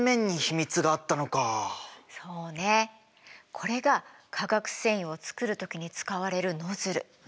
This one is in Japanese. これが化学繊維を作る時に使われるノズル。